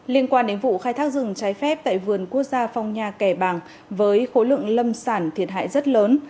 liên quan đến vụ khai thác rừng trái phép tại vườn quốc gia phong nha kẻ bàng với khối lượng lâm sản thiệt hại rất lớn